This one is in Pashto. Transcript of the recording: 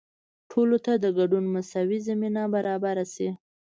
ټولو ته د ګډون مساوي زمینه برابره شي.